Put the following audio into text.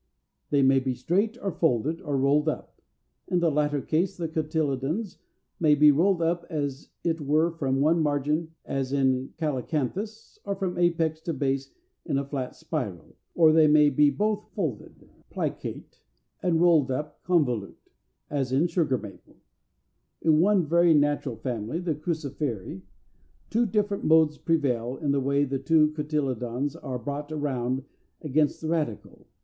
They may be straight, or folded, or rolled up. In the latter case the cotyledons may be rolled up as it were from one margin, as in Calycanthus (Fig. 424), or from apex to base in a flat spiral, or they may be both folded (plicate) and rolled up (convolute), as in Sugar Maple (Fig. 11.) In one very natural family, the Cruciferæ, two different modes prevail in the way the two cotyledons are brought round against the radicle.